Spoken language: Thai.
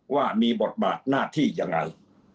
ว่ามีบทบาทหน้าที่ยังไง